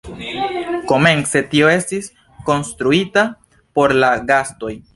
Komence tio estis konstruita por la gastoj.